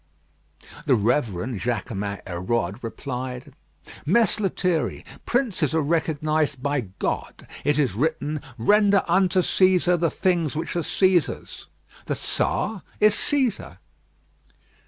The Reverend Jaquemin Hérode replied: "Mess Lethierry, princes are recognised by God. It is written, 'Render unto Cæsar the things which are Cæsar's.' The Czar is Cæsar."